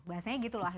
bahasanya gitu loh